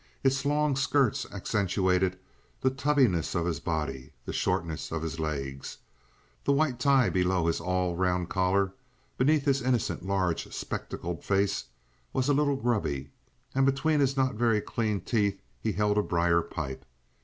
Its long skirts accentuated the tubbiness of his body, the shortness of his legs. The white tie below his all round collar, beneath his innocent large spectacled face, was a little grubby, and between his not very clean teeth he held a briar pipe.